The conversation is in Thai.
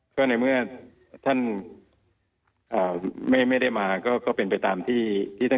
ก็ในเมื่อท่านไม่ได้มาก็เป็นไปตามที่ท่าน